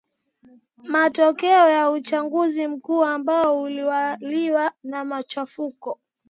matokeo ya uchaguzi mkuu ambao ulitawaliwa na machafuko